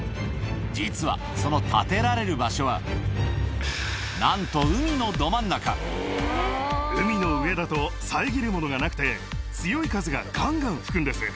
実は、その建てられる場所は、海の上だと、遮るものがなくて、強い風ががんがん吹くんです。